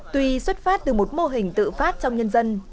tuy xuất phát từ một mô hình tự phát trong nhân dân